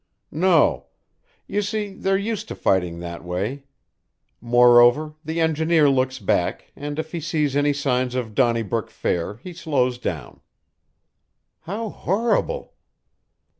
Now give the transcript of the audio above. "No. You see, they're used to fighting that way. Moreover, the engineer looks back, and if he sees any signs of Donnybrook Fair, he slows down." "How horrible!"